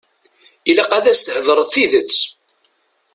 Ilaq ad as-theḍṛeḍ tidet.